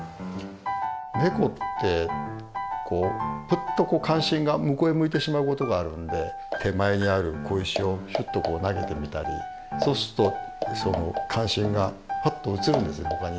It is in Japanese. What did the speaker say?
ネコってふっと関心が向こうへ向いてしまうことがあるんで手前にある小石をヒュッと投げてみたりそうするとその関心がパッと移るんですよほかに。